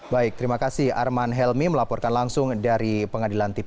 baik terima kasih arman helmi melaporkan langsung dari pengadilan tv